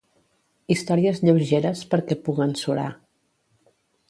Històries lleugeres perquè puguen surar.